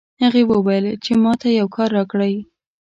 هغې وویل چې ما ته یو کار راکړئ